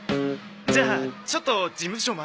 じゃあちょっと事務所まで。